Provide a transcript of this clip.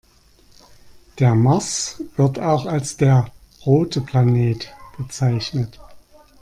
Der Mars wird auch als der „rote Planet“ bezeichnet.